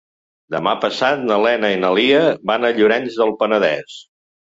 Demà passat na Lena i na Lia van a Llorenç del Penedès.